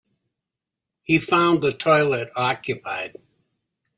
He found the toilet occupied.